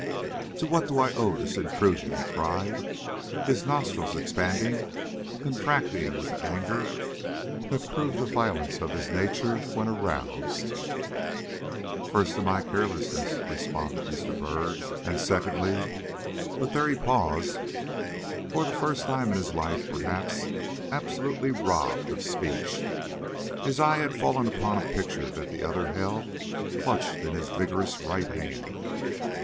"To what do I owe this intrusion?" he cried, his nostrils expanding and contracting with an anger that proved the violence of his nature when aroused. "First, to my carelessness," responded Mr. Byrd; "and, secondly " But there he paused, for the first time in his life, perhaps, absolutely robbed of speech. His eye had fallen upon a picture that the other held clutched in his vigorous right hand.